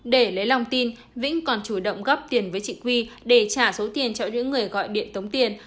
để lấy lòng tin vĩnh còn chủ động góp tiền với chị quy để trả số tiền cho những người gọi điện tống tiền